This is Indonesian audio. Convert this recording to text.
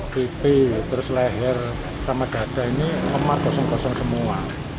pipi terus leher sama dada ini omar kosong kosong semua